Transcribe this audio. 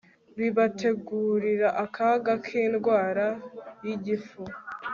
bibategurira akaga kindwara yigifu